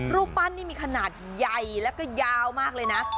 รูปปั้นนี่มีขนาดใหญ่แล้วก็ยาวมากเลยนะ